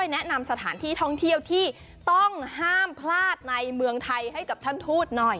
แนะนำสถานที่ท่องเที่ยวที่ต้องห้ามพลาดในเมืองไทยให้กับท่านทูตหน่อย